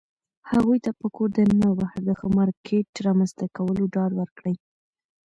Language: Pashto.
هغوى ته په کور دننه او بهر د ښه مارکيټ رامنځته کولو ډاډ ورکړى